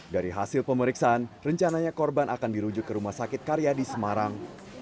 dari hasil pemeriksaan rencananya korban akan dirujuk ke rumah sakit karya di semarang